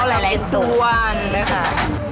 เอาในเล็กตัว๑นะคะ